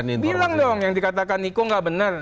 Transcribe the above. ini informasinya bilang dong yang dikatakan niko nggak benar